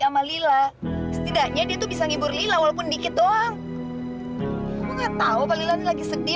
sama lila setidaknya itu bisa ngibur lila walaupun dikit doang enggak tahu lagi sedih